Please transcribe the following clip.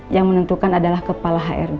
yang menentukan adalah kepala hrd